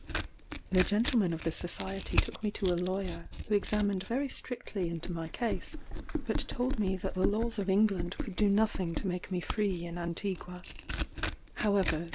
The gentlemen of the Society took me to a lawyer, who examined very strictly into my case; but told me that the laws of England could do nothing to make me free in Antigua.